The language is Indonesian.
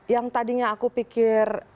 yang tadinya aku pikir